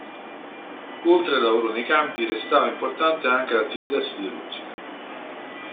Oltre al lavoro nei campi, restava importante anche l'attività siderurgica.